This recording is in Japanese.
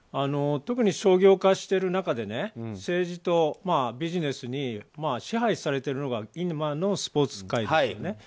特に商業化している中で政治とビジネスに支配されているのが今のスポーツ界ですよね。